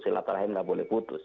silahkan lain nggak boleh putus